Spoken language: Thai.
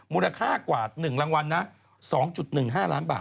มูลค่ากว่า๑รางวัลนะ๒๑๕ล้านบาท